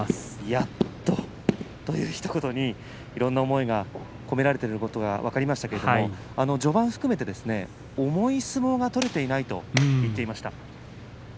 やっと、というひと言にいろんな思いが込められていることが分かりましたけれども序盤を含めてですね重い相撲が取れていないと言っていました。